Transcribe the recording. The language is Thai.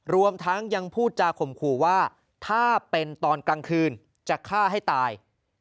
รวมทั้งยังพูดจาข่มขู่ว่าถ้าเป็นตอนกลางคืนจะฆ่าให้ตาย